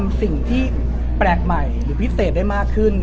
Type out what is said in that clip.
สิ่งที่แปลกใหม่หรือพิเศษได้มากขึ้น